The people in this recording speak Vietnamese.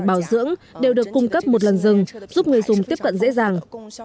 bảo dưỡng đều được cung cấp một lần rừng giúp người dùng tiếp cận dễ dàng